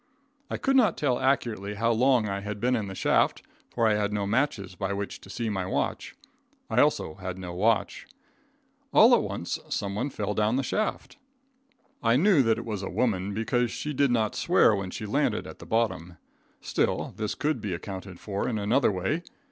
I could not tell accurately how long I had been in the shaft, for I had no matches by which to see my watch. I also had no watch. All at once, someone fell down the shaft. I knew that it was a woman, because she did not swear when she landed at the bottom. Still, this could be accounted for in another way.